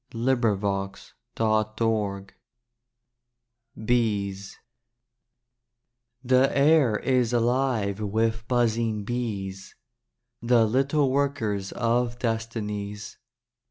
FH3] DAY DREAMS BEES The air is alive with buzzing bees The little workers of destinies.